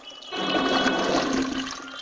دا ناممکن نه دی.